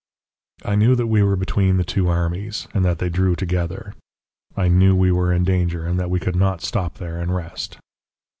"I knew that we were between the two armies, and that they drew together. I knew we were in danger, and that we could not stop there and rest!